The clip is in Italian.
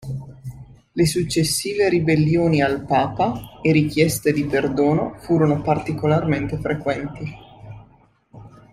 Le successive ribellioni al papa e richieste di perdono furono particolarmente frequenti.